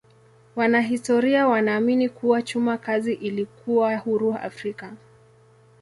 Wanahistoria wanaamini kuwa chuma kazi ilikuwa huru Afrika.